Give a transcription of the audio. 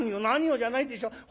「何をじゃないでしょ。